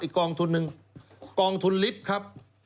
กองทุนหนึ่งกองทุนลิฟต์ครับ